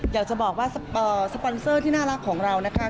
อยากจะบอกว่าสปอนเซอร์ที่น่ารักของเรานะคะ